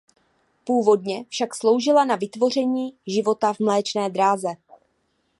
Původně však sloužila na vytvoření života v Mléčné dráze.